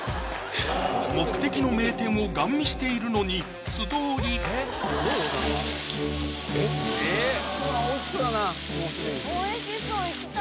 目的の名店をガン見しているのに素通りうわっ美味しそうやな